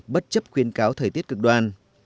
bất chấp khuyên cáo thời tiết cực đoan